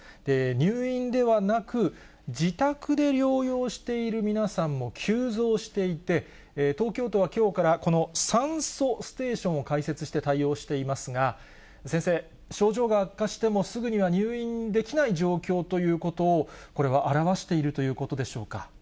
入院ではなく、自宅で療養している皆さんも急増していて、東京都はきょうから、この酸素ステーションを開設して対応していますが、先生、症状が悪化しても、すぐには入院できない状況ということを、これは表しているということでしょうか。